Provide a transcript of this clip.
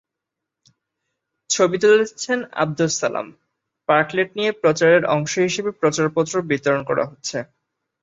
ছবি তুলেছেন আবদুস সালামপার্কলেট নিয়ে প্রচারের অংশ হিসেবে প্রচারপত্র বিতরণ করা হচ্ছে।